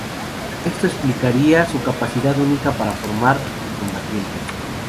Esto explicaría su capacidad única para formar recombinantes.